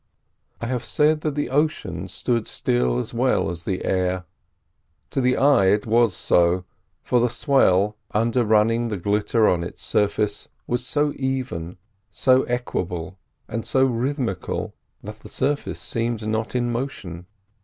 I have said that the ocean stood still as well as the air: to the eye it was so, for the swell under running the glitter on its surface was so even, so equable, and so rhythmical, that the surface seemed not in motion.